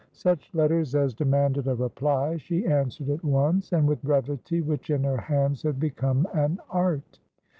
Such letters as demanded a reply, she answered at once, and with brevity which in her hands had become an art.